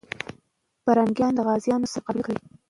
پرنګیان د غازيانو سره مقابله کوي.